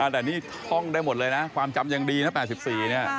แต่นี่ท่องได้หมดเลยนะความจำยังดีนะ๘๔เนี่ย